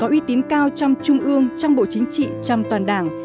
uy tín cao trong trung ương trong bộ chính trị trong toàn đảng